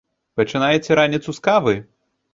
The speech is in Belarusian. Пачынаеце раніцу з кавы?